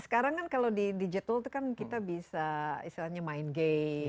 sekarang kan kalau di digital itu kan kita bisa istilahnya main game